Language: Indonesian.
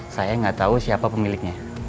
saya gak tau siapa pemiliknya